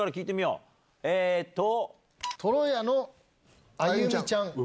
じゃあ、とろやのあゆみちゃん。